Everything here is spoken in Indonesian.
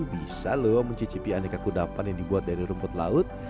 bisa loh mencicipi aneka kudapan yang dibuat dari rumput laut